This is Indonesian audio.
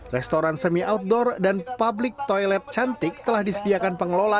restoran semi outdoor dan public toilet cantik telah disediakan pengelola